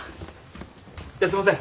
じゃあすいません。